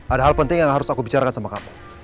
ada hal penting yang harus aku bicarakan sama kamu